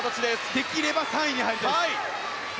できれば３位に入りたいですね。